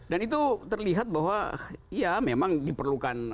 dan itu terlihat bahwa ya memang diperlukan